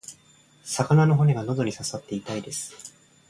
魚の骨が喉に刺さって痛いです。